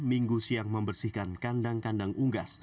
minggu siang membersihkan kandang kandang unggas